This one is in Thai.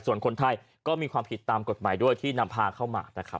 ส่วนคนไทยก็มีความผิดตามกฎหมายด้วยที่นำพาเข้ามานะครับ